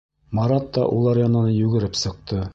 Марат та улар янына йүгереп сыҡты.